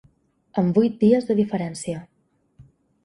Amb vuit dies de diferència.